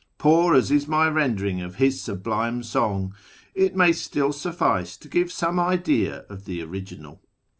Poor as is my rendering of his sublime song, it may still suffice to give some idea of the original.